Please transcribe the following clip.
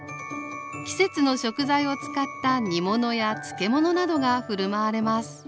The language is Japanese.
季節の食材を使った煮物や漬物などが振る舞われます。